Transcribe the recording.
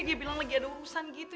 dia bilang lagi ada urusan gitu